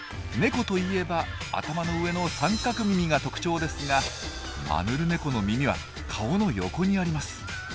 ネコといえば頭の上の三角耳が特徴ですがマヌルネコの耳は顔の横にあります。